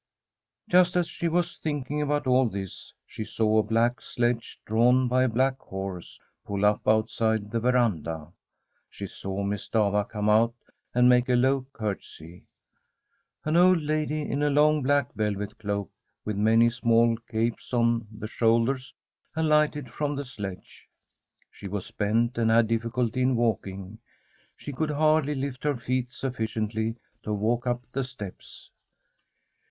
Just as she was thinking about all this, she saw a black sledge, drawn by black horses, pull up outside the veranda. She saw Miss Stafva come out and make a low curtsy. An old lady in a long black velvet cloak, with many small capes on the shoulders, alighted from the sledge, ohe was bent, and had difficulty in walking. She could hardly lift her feet sufficiently to walk up the steps.